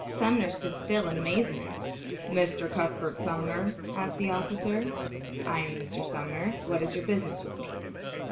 Sumner stood still in amazement. "Mr. Cuthbert Sumner?" asked the officer. "I am Mr. Sumner. What is your business with me?"